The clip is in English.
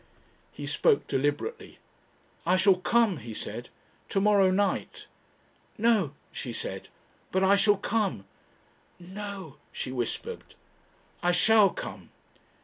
He spoke deliberately. "I shall come," he said, "to morrow night." "No," she said. "But I shall come." "No," she whispered. "I shall come."